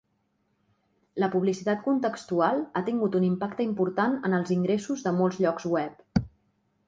La publicitat contextual ha tingut un impacte important en els ingressos de molts llocs web.